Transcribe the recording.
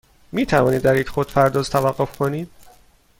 می توانید در یک خودپرداز توقف کنید؟